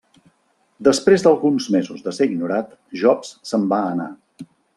Després d'alguns mesos de ser ignorat, Jobs se'n va anar.